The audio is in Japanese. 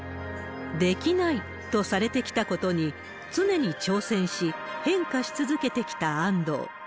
できないとされてきたことに常に挑戦し、変化し続けてきた安藤。